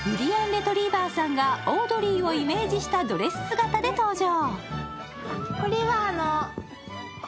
レトリィバァさんがオードリーをイメージしたドレス姿で登場。